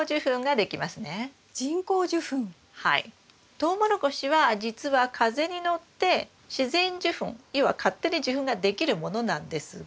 トウモロコシはじつは風に乗って自然受粉要は勝手に受粉ができるものなんですが。